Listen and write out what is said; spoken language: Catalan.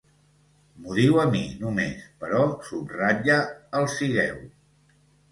M'ho diu a mi, només, però subratlla el sigueu.